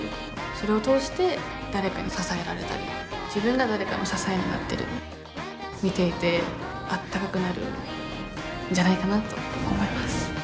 それを通して誰かに支えられたり自分が誰かの支えになったり見ていてあったかくなるんじゃないかなと思います。